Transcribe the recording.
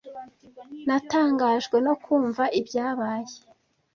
Natangajwe no kumva ibyabaye.